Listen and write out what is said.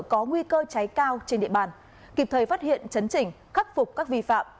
có nguy cơ cháy cao trên địa bàn kịp thời phát hiện chấn trình khắc phục các vi phạm